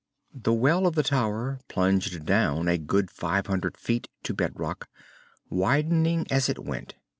The well of the tower plunged down a good five hundred feet to bedrock, widening as it went.